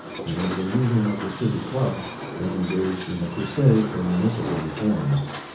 It was a meeting of the City Club, then engaged in the crusade for municipal reform.